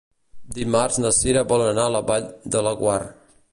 Dimarts na Cira vol anar a la Vall de Laguar.